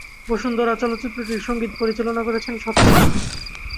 বসুন্ধরা চলচ্চিত্রটির সঙ্গীত পরিচালনা করেছেন সত্য সাহা।